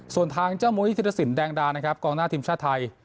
ส่วนทางเจ้ามุยธิรสินแดงดานะครับกองหน้าทีมชาติไทย